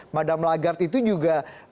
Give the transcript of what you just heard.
madam lagarde itu juga